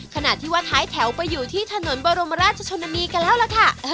ขณะที่ว่าท้ายแถวไปอยู่ที่ถนนบรมราชชนนานีกันแล้วล่ะค่ะ